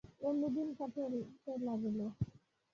এমনি দিন কাটিতে লাগিল।